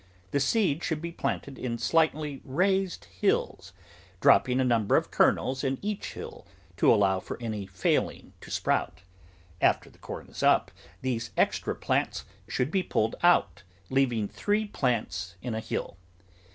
The seed should be planted in slightly raised hills, dropping a number of kernels in each hill to allow for any failing to sprout; after the corn is up, these extra plants should be pulled out, leaving three plants in a hill.